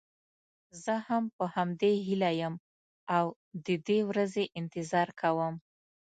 زه هم په همدې هیله یم او د دې ورځې انتظار کوم.